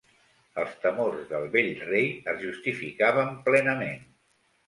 Els temors del vell rei es justificaven plenament.